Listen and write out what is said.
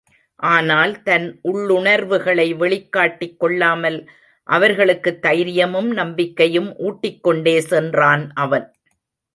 ஆனால் தன் உள்ளுணர்வுகளை வெளிக் காட்டிக் கொள்ளாமல் அவர்களுக்குத் தைரியமும் நம்பிக்கையும் ஊட்டிக்கொண்டே சென்றான் அவன்.